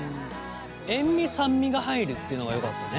塩味酸味が入るっていうのがよかったね。